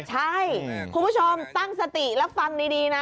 ใช่คุณผู้ชมตั้งสติแล้วฟังดีนะ